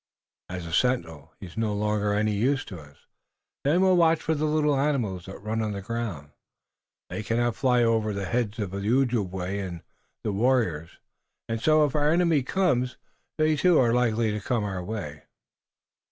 "And as a sentinel he is no longer of any use to us. Then we will watch for the little animals that run on the ground. They cannot fly over the heads of Ojibway and Caughnawaga warriors, and so, if our enemies come, they, too, are likely to come our way."